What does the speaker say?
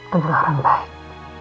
adalah orang baik